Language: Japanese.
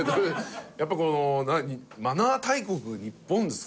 やっぱりこのマナー大国日本ですから。